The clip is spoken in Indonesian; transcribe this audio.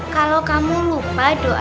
kalau kamu lupa doanya